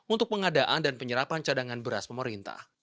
untuk pengadaan dan penyerapan cadangan beras pemerintah